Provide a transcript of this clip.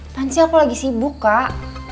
tansi aku lagi sibuk kak